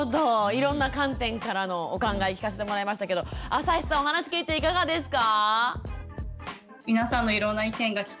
いろんな観点からのお考え聞かせてもらいましたけど朝日さんお話聞いていかがですか？